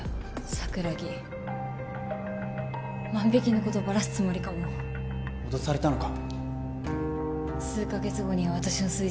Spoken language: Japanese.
桜木万引きのことバラすつもりかも脅されたのか？